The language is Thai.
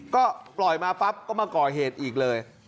ก็ปล่อยมาปั๊บก็มาก่อเหตุอีกเลย